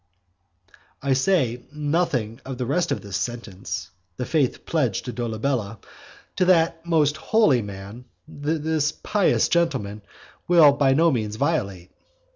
I say nothing of the rest of this sentence, "the faith pledged to Dolabella," to that most holy man, this pious gentleman will by no means violate.